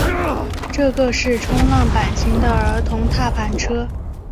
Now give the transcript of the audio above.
这个是冲浪板型的儿童踏板车。